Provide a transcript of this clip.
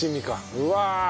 うわ！